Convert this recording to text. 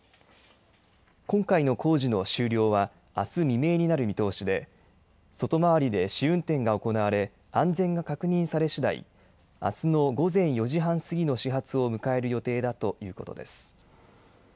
今回の工事の終了は、あす未明になる見通しで、外回りで試運転が行われ安全が確認されしだい、あすの午前４時半過ぎの始発を迎える予定だということです。